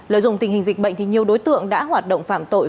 lợi dụng tình hình dịch bệnh thì nhiều đối tượng đã hoạt động phạm tội